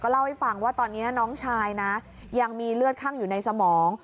เล่าให้ฟังว่าตอนนี้น้องชายนะยังมีเลือดข้างอยู่ในสมอง